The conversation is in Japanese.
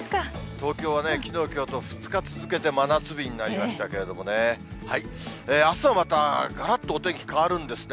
東京はきのうきょうと２日続けて真夏日になりましたけれどもね、あすはまたがらっとお天気変わるんですね。